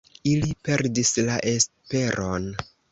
Ili perdis la esperon.